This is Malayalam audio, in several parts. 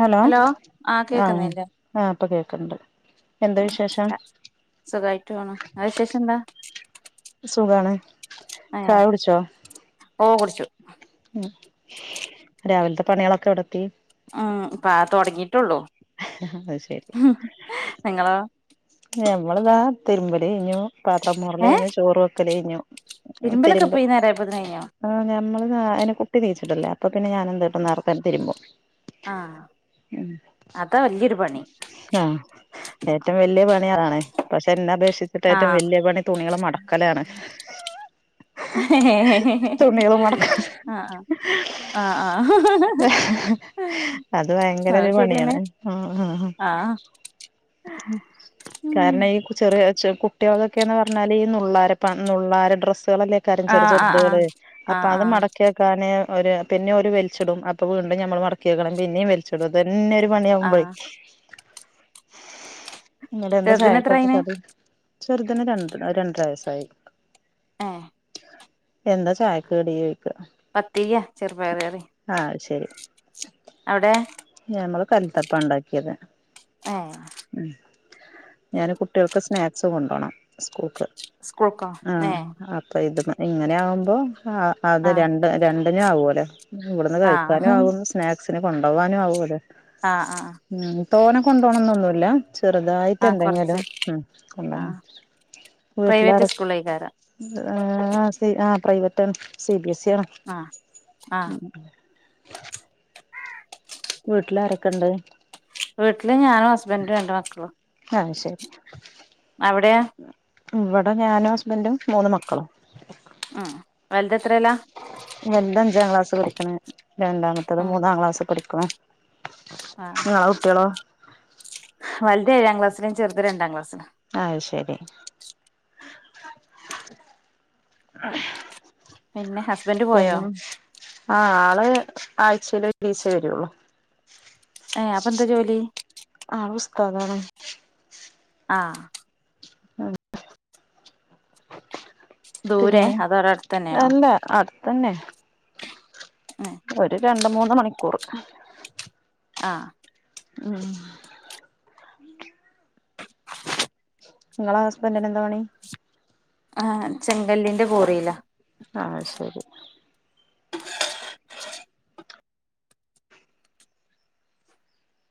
ഹലോ ആഹ് ആഹ ആഹ അപ്പൊ കേക്കണ്ട് സുഖമായിട്ട് പോണം അ വിശേഷം എന്താ സുഖാണ് ഏഹ് ചായ കുടിച്ചോ ഓ കുടിച്ചു ഉ രാവിലത്തെ പണികളൊക്കെ എവിടെത്തി ഉം ഇപ്പാ തുടങ്ങിട്ട് അ ശരി നിങ്ങളോ നമ്മളതാ തിരുമ്പൽ കഴിഞ്ഞു പാത്ര മോറൽ ഏഹ് കഴിഞ്ഞു ചോറ് വെക്കൽ കഴിഞ്ഞു തിരുമ്പലൊക്കെ തിരുമ്പ ഇപ്പ ഈ നേരായപ്പോത്തിന് കഴിഞ്ഞോ ആ നഞമ്മള്നെ കുട്ടി എണീച്ചിട്ടില്ല അപ്പ പിന്ന ഞാൻ എന്തട്ടും നേർക്കാ തിരുമ്പും ആഹ ആഹ ഏറ്റവും വലിയ പണിയതാണേ പക്ഷെ എന്ന ക്ഷിച്ചിട്ട ഏറ്റവും ആഹ് വലിയ പണി തുണികള മടക്കലാണ് ആഹ തുണികള് മടക്ക ആഹ ആ് അത് ഭയങ്കര ഒരു ശരിയെന്നെ പണിയാണ് ആഹ ആഹ ആഹ് കാരണം ചെ കുട്ടികളക്കൊക്കെന്ന് പറഞ്ഞാല് ഈ നുള്ള നുള്ളാരാ ഡ്ര ല്ലേ കാര്യം ചെറു ആഹ് ആഹ് ആഹ് ചെറുതുകള് അപ്പൊ ആഹ് അത് ആഹ് മടക്കിയക്കാന് ഒരു പിന്നെ ഒരു വലിച്ചടും അപ്പൊ വീണ്ടും ഞമ്മൾ വർക്ക് ചെയ്ക്കണം പിന്നേ വലിച്ചിടും അെ ഇന്നൊ ഒരു മണിയാകുമ്പോയി ആഹ് എന്നിട്ട് എന്താ ചെറുതിന് ചായക്ക്ക്കെ എത്രായിണ് കടി ചെറുതിന് രണ്ട രണ്ടരാ വയസ്സായി ആഹ എന്താ ചായക്കടി പത്തിരി ചെറുപയർ കറി ആഹ് അത് ശരി അവിടെ ഞമ്മള് കലുത്തപ്പ ഉണ്ടാക്കിയത് ഏഹ് ഉ ഞാന് കുട്ടികൾക്ക് സ്നാക്സ് കൊണ്ടോണം സ്കൂൾക്ക് സ്കൂൾക്കോ ആഹ ഏഹ് അപ്പൊ ഇത് മ ഇങ്ങനെ ആകുമ്പോ അത് ആഹ് രണ്ട് രണ്ടിനും ആവല്ലെ ഇവിടുന്ന് കഴിക്കാനും ആഹ് ആകും സ്നാക്സിിനന് കൊണ്ടപോകാനും ആകും അത് ആ് ആഹ തോനെ കൊണ്ടുോണംന്നൊന്നുമല്ല ചെറുതായിട്ട് ആഹ് കൊറച്ച് എന്തെങ്കിലും ഉ ഉണ്ട ആഹ് വീട്ടിലാര പ്രൈവറ്റ് സ്കൂളേക്കാരം ആഹ ശ ആഹ് പ്രൈവറ്റണ് സി ബി എസ് സണ് ആഹ് ആഹ് ഒക്കണ്ട് വീട്ടില് ഞാനും ഹസ്ബൻഡും രണ്ട് മക്കളും ആഹ് ശരി അവിടെയാ ഇവിടെ ഞാനും ഹസ്ബൻറും മൂന്ന് മക്കളും ഉം വലുത എത്രല്ലാ വലുത് അഞ്ചാം ക്ലാസ്സ് പഠിക്കണ രണ്ടാമത്തത് ഉം മൂന്നാം ക്ലാസ് പഠിക്കണം ആഹ് ആ ഇങ്ങള് കുട്ടികളോ വലുത് ഏഴാം ക്ലാസിലും ചെറുത് രണ്ടാംക്ലാസ് ആഹ ശരി പിന്നെ ഹസ്ബൻഡ് പോയോ പിന്നെ ആഹ ആഴ്ച്ചയിൽ ഒരു ദിവസേ വരൊള്ളു ഏ അപ്പൊ എന്താ ജോലി കതാണ് ആഹ അ ദൂരെ പിന്നെ അതോ അവടെ അടുത്തന്നെയാണോ അല്ല അടുത്തന്നെ ആഹ ഒരു രണ്ട് മൂന്ന് മണിക്കൂർ ആഹ് ഉം നിങ്ങളെ ഹസ്ബന്റിന് എന്താ പണി ആഹ ചെങ്കല്ലിന്റെ കോറിലാ ആഹ ശരി [unintelligible]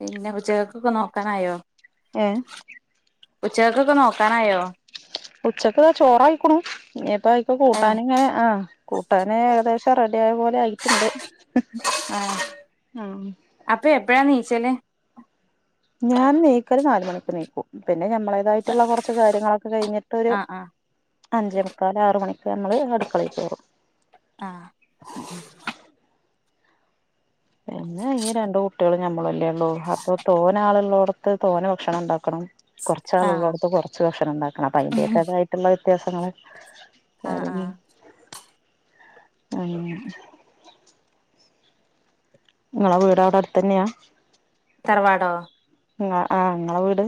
പിന്നെ ഉച്ചകക്കൊക്കെ നോക്കാനായോ ഏഹ് ഉച്ചകക്കൊക്കെ നോക്ക താനായോ ഉച്ചക്ക് ചോറായിക്കുണു ഇനിയിപ്പയിക്ക് ഏഹ് കൂട്ടാൻ ഇങ്ങനെ ആഹ കൂട്ടാൻ ഏകദേശം റെ ഡി ആയപോലെ ആയിട്ടുണ്ട് ആഹ ആഹ് അപ്പൊ എപ്പഴാ നീച്ചല് ഞാൻ നീക്കല് നാൽ മണിക്ക് നീക്കും പിന്നെ ഞമ്മുടേതായിട്ടുള്ള കുറച്ച് കാര്യങ്ങളൊക്ക കഴിഞ്ഞിട്ടൊരു ആഹ് ആഹ് അഞ്ചേ മുക്കാൽ ആർ മണിക്ക് നമ്മള് അടുക്കളെക്ക് കേറും [unintelligible] പിന്നെ ഈ രണ്ട് കുട്ടികളും ഞമ്മളല്ലേ ഉള്ളൂ അപ്പൊ തോന ആൾള്ളോടത്ത് തോന ഭക്ഷണം ഉണ്ടാക്കണം കുറച്ച ആഹ് ആളുള്ളോട്ത്ത് കുറച്ച് ഭക്ഷണം ഉണ്ടാക്കണം അപ്പം അയിന്റെക്കെതായിട്ടുള്ള വ്യത്യാസങ്ങള് ആഹ ആഹ ആഹ് നിങ്ങളെ വീട് അവിടെ അടുത്ത് തന്നെയാ തറവാടോ ആ നിങ്ങളെ വീട്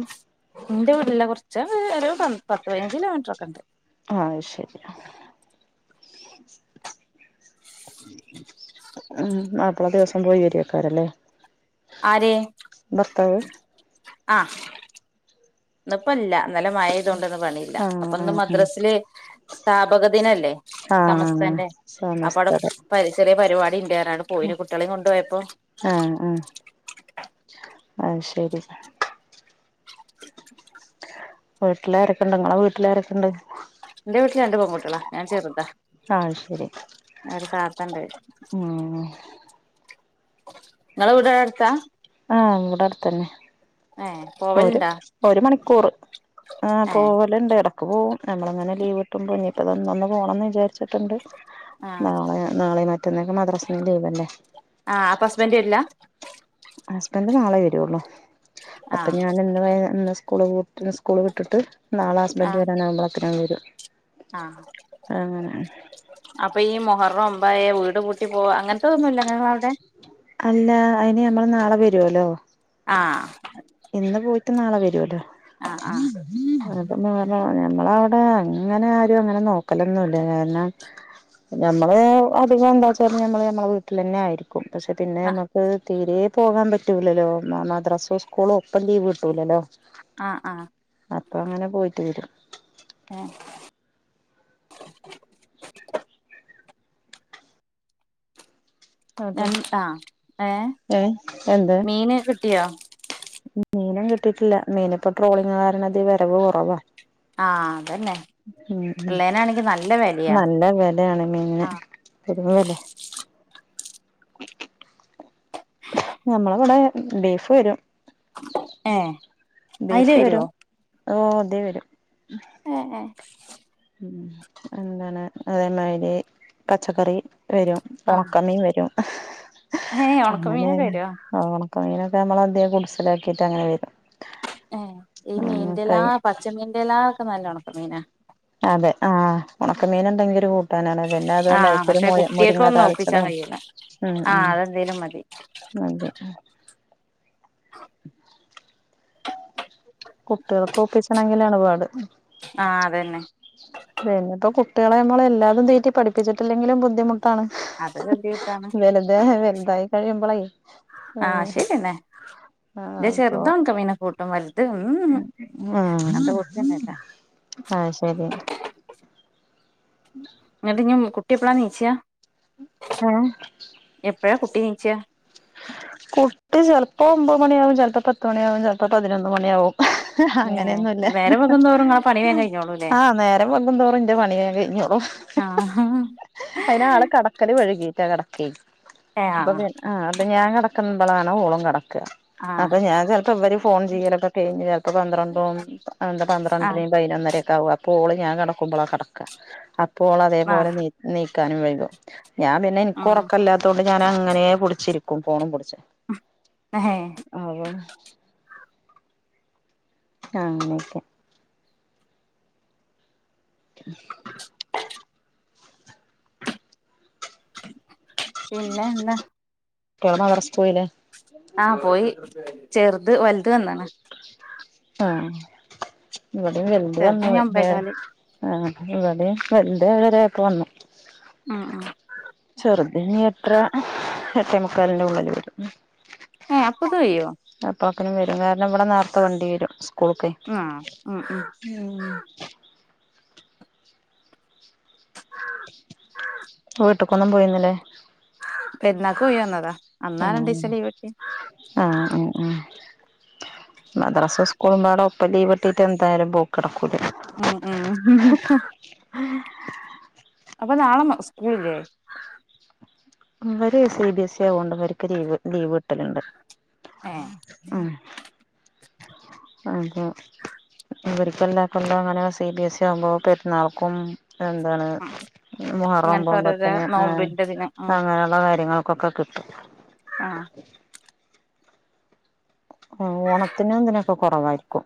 എന്റെ വീട് ലെ കുറച്ച് ഒരു പ പത്ത് പതിനഞ്ച് കിലോമീറ്ററൊക്കെ ഉണ്ട് [unintelligible] ഉ മാപ്പള ദിവസം പോയി വരുഅയ്ക്കാരം ലെ ആര് ആഹ ഇന്ന് ഇപ്പം ഇല്ല ഇന്നലെ മഴ പെയ്തോണ്ട് ഇന്ന് പണിയില്ല ആ ആ അപ്പൊന്ന് മദ്രാസിൽ സ്ഥാപകദിനല്ലേ സമസ്ത ആഹ അപ്പം അവിടെ ചെറിയ പരിപാടി ഉണ്ട് പറ ഞാണ്ട് പോയിണ് കുട്ടികളെയും കൊണ്ടു പോയപ്പോ ആഹ ശരി വീട്ടിലാരൊക്കെണ്ട് നിങ്ങളെ വീട്ടിലാരൊക്കണ്ട് എന്റെ വീട്ടില് രണ്ട് പെൺകുട്ടികളാ ഞൻ ചറുതാ ആഹ ശരി ഉം ഇങ്ങളെ വീട് അവിടെ അടുത്താ ആഹ് ഇവടെ അടുത്തന്നെ ഏഹ് ഒരു പോവലുണ്ടാ ഒരു മണിക്കൂർ ആ് ഏഹ് പോവൽ ഇണ്ട് എട ക്ക് പോവും നമ്മളിങ്ങനെ ലീവ് കിട്ടുമ്പോ ഇനിയിപ്പം ഇന്നൊന്നു പോകണം എന്ന് വിചാരിച്ചിട്ടുണ്ട് ആഹ് നാളെ നാളെ മറ്റന്നാൾ ഒക്കെ മദ്രസിൽ ലീവല്ലേ ആഹ് അപ്പൊ ഹസ്ബൻഡ് വരില്ല ഹസ്ബൻഡ് നാളെ വരോള്ളു അപ്പം ആഹ് ഞാൻ ഇന്ന് സ്കൂള് സ്കൂള് വിട്ടിട്ട് നാളെ ഹസ്ബൻഡ് വരാനാവുമ്പളേക്കും അതുവരും ആഹ അപ്പൊ ഈ മുഹറം ഒമ്പതായ വീട് പൂട്ടി പോക അങ്ങനത്തതൊന്നുല്ല അല്ല അതിന് നമ്മൾ നാളെ വരോലോ ആഹ് ന്ന് പോയിട്ട് നാളെ വരൂലേ ആഹ് ആഹ് ആ അങ്ങനെ ആരും അങ്ങനെ നോക്കലൊന്നുംല്ല കാരണം ഞമ്മള് അധികം എന്താച്ച നമ്മള് നമ്മളെ വീട്ടിലന്നെ ആയിരിക്കും പക്ഷെ പിന്നെ ആഹ് ഞമ്മക്ക് തീരേ പോകാൻ പറ്റൂലല്ലോ മദ്രസും സ്കൂളും ഒപ്പം ലീവ് കിട്ടൂലല്ലോ ആഹ് ആ അപ്പ അങ്ങനെ പോയിട്ട് വരും ആ അതോ ഏഹ് ആഹ് ഏഹ് ഏ എന്തെ മീന് കിട്ടിയോ മീനും കിട്ടീട്ടില്ല മീനിപ്പോ ട്രോളിങ് കാരണംത്യേ വരവ് കുറവാ ആഹ് അതന്നെ ഉം ഉം പിള്ളേനാണെങ്കി നല്ല വെലയാ നല്ല വിലയാണ് മീനിൻ ആഹ് പെരുംവെലെ നമ്മളവിടെ ബീഫ് വരും ഏ അയില് ബീഫ് വരുവോ വരും ഓ ഇത്യേ വരും എഹെ എന്താണ് അതേമാതിരി പച്ചക്കറി വരും ആഹ് ഉണക്കമീൻ വരും ഏഹ് അങ്ങനെ ഒണക്കമീനൊക്കെ വരുവോ ഓണം കയ്യിനതൊക്കെ നമ്മളദ്യേ ഗുഡ്സിലാക്കിയിട്ട്ങ്ങനെ വരും ഏ ഈ മീൻന്റെല്ലാ അങ്ങനൊക്കായി പച്ചമീന്റെല്ലാ ഒക്കെ നല്ലോണക്ക മീനാ അതെ ആഹ് ഉണക്കമീനുണ്ടെങ്കിൽ ഒരു കൂട്ടാനാണ് പിന്നെ അതുല്ലാ ആഹ് അയക്കൊരു പക്ഷെ മോ മുരിങ്ങ കുട്ടികക്കൊന്നും താളിച്ചതോ ഒപ്പിച്ചാൻ കഴിയൂല ഉം ആഹ് ഉം അതെന്തേലും മതി അതെ കുട്ടികൾക്ക് ഒപ്പിച്ചണങ്കിലാണ്പാട് ആഹ് അതന്നെ പിന്നെ ഇപ്പോ കുട്ടികളെ നമ്മള് എല്ലാതും തീറ്റി പഠിപ്പിച്ചിട്ടില്ലെങ്കിലും ബുദ്ധിമുട്ട് ട്ടാണ് അത് ഗതികെട്ടാണ് വലുത വലുതായി കഴിയുമ്പോളയി ആഹ് ശരിന്നെ ആഹ് ന്റെ അപ്പൊ ചെറുത് ഒണക്കമീനൊക്കെ കൂട്ടും വലുത് ഉം ഹും ആഹ് അഅങ്ങനത്തെ പറ്റന്നല്ല ആഹ് ശരിയാ എന്നിട്ട്ഞ് മ് കുട്ടി എപ്പളാണീച്ച ഏഹ് എപ്പഴാ കുട്ടി നീച്ച കുട്ടി ചിലപ്പോ ഒമ്പത് മണിയാവും ചിലപ്പോ പത്ത് മണിയാവും ചിലപ്പോ പതിനൊന്ന് മണിയാവും ഹ്ഹ ഏ അങ്ങനെയൊന്നുല്ല നേരം വെകുന്തോറും ഇങ്ങളെ പണി വേം ഹേ കഴിഞ്ഞോളൂല്ലേ ആഹ നേരം വെഗുംൻതോറും ഇന്റെ പണിവേം കയ്യും ആഹ്ഹ അയിന് ആള് കടക്കൽ വൈകോയ് റ്റ കിടക്ക ഏ അപ്പൊ ആഹ് പി ആ അപ്പ ഞാൻ കെടക്കുമ്പള ഓളും കിടക്ക അപ്പൊ ആഹ് ഞാൻ ചിലപ്പോ ഇവര് ഫോൺ ചെയ്യലൊക്കെ കഴിഞ്ഞു ചിലപ്പോ പന്ത്രണ്ടും എന്താ ആഹ് പന്ത്രണ്ടരിം പതിനൊന്നരൊക്കെ ക്കവും അപ്പോ ഓള് ഞാൻ കെടക്കുമ്പള കിടക്ക അപ്പോ ഓള് അതേപോലെ ആഹ് നീ നീക്കാനും വൈകും ഞാൻ പിന്നെ എനിക്ക് ആഹ് ഉറക്കല്ലാത്തുകൊണ്ട് ഞാൻ അങ്ങനെ പിടിച്ചിരിക്കും ഫോണും പിടിച്ച് ഏഹ് ആവോ ആങ്ങനെയക്കെ [unintelligible] ട്ട് [unintelligible] പിന്നെ എന്താ കുട്ട്യേള് മദർസ്ക്ക് പോയിലെ ആഹ പൊയീ ചെർത് വൽത് വന്നാണ് ആഹ ഇവിടേം വെൽത് ചെറുത് ഇഞ്ഞ് വന്ന്പോയ്‌ ഏ ഒമ്പേകാല് ആഹ ഇവടേം ഫ്രെണ്ട് വരൊക്കെ വന്നു അ ആ ചെറ്ത് ഇനി എട്ട്ര എട്ടേമുക്കാലിന്റെ ഉള്ളില് വെരും ഏ അപ്പൊതൊയ്യോ തോക്കനും വരും കാരം പിന്നവ്ടെ നേർത്ത വണ്ടിവരും ഉസ്കൂള്ക്കെയ് ആഹ് ഉം ഉം ട്ട്ക്കൊന്നും പോയ്ന്നില്ലേ പെര്ന്നാക്ക്‌ പോയ്‌വന്നതാ ആണ ആഹ ആഹ ആഹ മദറസ ഉസ്കൂളും പാടെ ഒപ്പം ലീവ്ട്ടീട്ട് എന്തായാലും പോക്കടക്കു ഉം ഉം അപ്പ നാളമ ഉസ്കൂളില്ലെ ഇവ്വര് സി ബി എസ് ഇ ആവൊണ്ട് അവര്ക്ക് ലീവ് ലീവ് കിട്ടല്ണ്ട് ഏ ഹ്‌ അത്യൊ ഇവര്ക്ക് എല്ലാകൊല്ലോം അങ്ങനെ സി ബി എസ് ഇ ആവുമ്പോ പെര്ന്നാൾക്കും എന്താണ് മുഹറം ഇങ്ങനത്തെ ഒമ്പഉം ഓരോരോ പത്തിന് ഏഹ് നോമ്പിന്റെ ദിനം അങ്ങനെയുള്ള കാര്യങ്ങൾക്കൊക്കെ കിട്ടും ആഹ ഓണത്തിനും എന്തിനൊക്കെ കൊറവായ്രിക്കും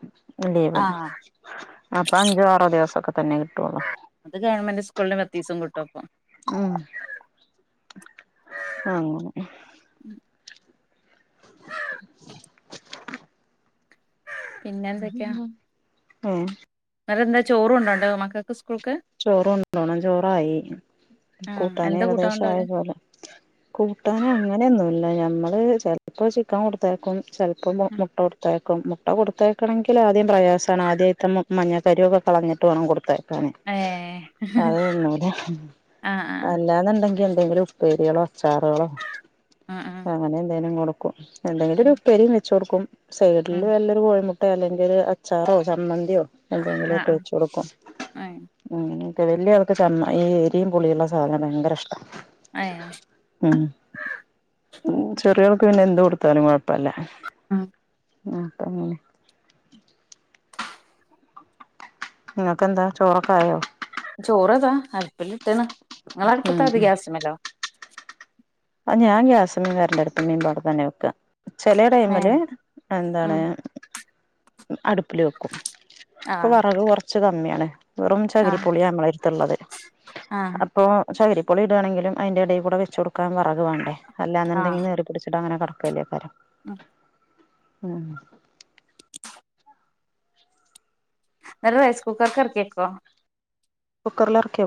ലീവ് ആഹ് അപ്പ അഞ്ചോആറോ ദിവസൊക്കെ തന്നെ കിട്ടൊള്ളു അത് ഗവൺമെന്റ് സ്കൂളിന് പത്തീസം കിട്ടും അപ്പം മ് അങ്ങനെ പിന്നെന്തൊക്കെയാ ഏ നരന്തേ ചോറ് കൊണ്ടേണ്ടെ മക്കക്ക്‌ സ് ചോറ് കൊണ്ടോണം ചോറായി ആഹ് കൂട്ടാന് എന്താ കൂട്ടാൻ ഏകദേശം ആയ കൊണ്ടോവല് പോലെ കൂട്ടാന് അങ്ങനൊന്നുല്ല ഞാൻ നമ്മള് ചെൽപ്പ ചിക്കൻ കൊടുത്തയ്ക്കും ചെൽപ്പ മു മുട്ടകൊടുത്തയ്ക്കും മുട്ട കൊടുത്തയ്ക്കണങ്കിലാദ്യം പ്രയാസാണ് ആദ്യയ്ത്തെ മഞ്ഞക്കരുഒക്കെ കളഞ്ഞിട്ട് വേണം കൊട്ത്തയക്കാന് ഏഹ് അത് തിന്നൂല ആഹ് ആഹ് അല്ലാന്ന്ണ്ടെങ്കിൽ ഇവരുപ്പേര്യേളോ അച്ചാറേളോ ആഹ് ആഹ് അങ്ങനെ എന്തേലും കൊടുക്കും ഉം എന്തെങ്കിലൊരുപ്പേരി വെച്ച് കൊടുക്കും സെയ്‌ഡില് ഉം വല്ലൊരുകോഴിമുട്ടേ അല്ലെങ്കില് ഒരു അച്ചാറോ ചമ്മന്ത്യോ ആഹ് എന്തെങ്കിലൊക്കെ ആഹ് വെച്ച്കൊടുക്കും ഏഹ് അങ്ങനെ തെ വെല്യ ആൾക്ക് ചമ്മ ഈ എരീം പുളിയ്ള്ള സാധനം ഭയങ്ക ഇഷ്ട ഏ ഉ ചെറിയാൾക്ക് പിന്നെ എന്ത് കൊടുത്താലും കൊഴപ്പല്ല ഉം ആ അപ്പങ്ങനെ നിങക്കെന്താ ചോറക്കായോ ചോറതാ അടുപ്പിലിട്ട്ണ് ഉം നിങ്ങളടുപ്പത്താ അതോഗ്യാസുമലൊ ആ ഞാൻ ഗ്യാസ്മ്മേം കരന്റ്അടുപ്പിമ്മേം പാടെ തന്നെ വെക്ക ചെലേ ഏഹ് ടൈമില് എന്താണ് ഉം അടുപ്പില് വെക്കും ഇപ്പൊ ആഹ് വറക് കുറച്ച് കമ്മിയാണ് വെറും ആഹ് ചകിരിപ്പൊളിയാ നമ്മളെരുത്ത്ള്ളത് ആഹ് അപ്പോ ചക് രി പൊളി ഇടെണെങ്കിലും അയ്ന്റെഎടെകൂടെ വെച്ച് കൊട്ക്കാൻ വെറക് വേണ്ടെ അല്ലാന്ന്ണ്ടെങ്കി ന്നെറിപിടിച്ചിട്ട് അങ്ങനെ കടക്കല്ലേ കാരം അ ഹ്‌ ആഹ്‌ അ റൈസ് കുക്കർക്ക് എർക്കിക്കോ കുക്കറില ഇറക്കിയ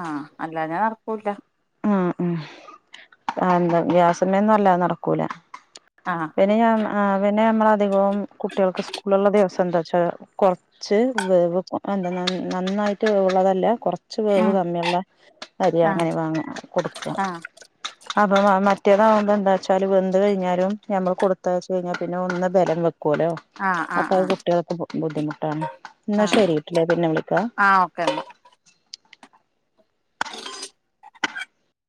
ആഹ അല്ലാ ഞാൻ നടക്കൂല്ല ഉം ഉ എന്താ ഗ്യാസിന്മേ അല്ലാത നടക്കൂല ആഹ് പിന്നെ ഞ പിന്നെ നമ്മള അധികം കുട്ടികൾക്ക് സ്കൂളുള്ള ദിവസം എന്താ പക്ഷെ കുറച്ച് വേവ് എന്താ നന്നായിട്ട് വേവ് ഉള്ളതല്ല കുറച്ച് കുറച്ച് വേവ് ഉം കമ്മിയുള്ള അരി ആഹ് അങ്ങനെ വാങ്ങ കൊടുക്കും ആഹ് അപ്പ മറ്റേതാവുബം എന്താ വച്ചാൽ വെന്ത് കഴിഞ്ഞാലും നഞമ്മൾ കൊടുത്തച്ച കഴിഞ്ഞാൽ പിന്നെ ഒന്ന് ബലം വെക്കും ലോ ആഹ് ആഹ് അപ്പ ആഹ് കുട്ടികൾക്ക് ബുദ്ധിമുട്ടാണ് എന്നാ ആഹ് ശരി വീട്ടില്ലേ പിന്നെ വിളിക്കാ ആഹ് ഓക്കെ ന്നാ [inaudible]